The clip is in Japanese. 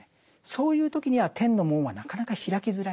そういう時には天の門はなかなか開きづらい。